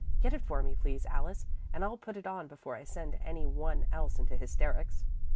Get it for me please, Alice, and I'll put it on before I send any one else into hysterics."